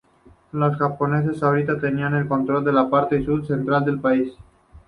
Los japoneses ahora tenían el control de la parte sur y central del país.